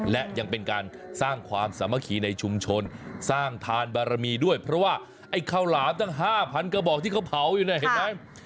และยังเป็นการสร้างความสามัคคีในชุมชนสร้างทานบารมีด้วยเพราะว่าไอ้ข้าวหลามตั้ง๕๐๐กระบอกที่เขาเผาอยู่เนี่ยเห็นไหม